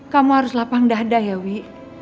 kamu harus lapang dada ya wi